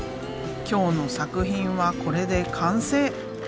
今日の作品はこれで完成！